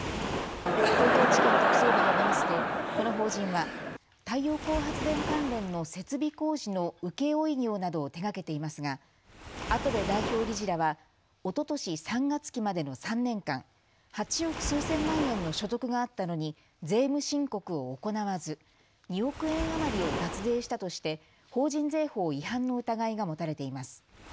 東京地検特捜部によりますとこの法人は太陽光発電関連の設備工事の請負業などを手がけていますが跡部代表理事らはおととし３月期までの３年間、８億数千万円の所得があったのに税務申告を行わず２億円余りを脱税したとして法人税法違反の疑いが持たれています。